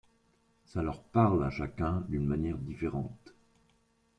Ça leur parle à chacun d'une manière différente.